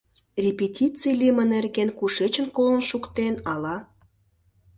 Репетиций лийме нерген кушечын колын шуктен, ала?